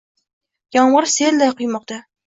Yomg'ir selday quymoqda